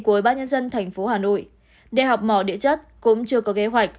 của bác nhân dân tp hà nội đại học mò địa chất cũng chưa có kế hoạch